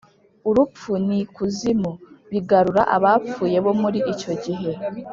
Urupfu n’Ikuzimu bigarura abapfuye bo muri icyo gihe